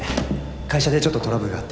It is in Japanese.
会社でちょっとトラブルがあって。